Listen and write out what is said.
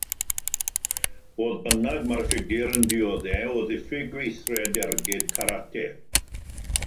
Fodd bynnag, mae'r ffigur yn dioddef o ddiffyg gweithred ergyd carate.